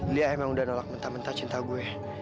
dia emang udah nolak mentah mentah cinta gue